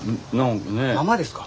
生ですか？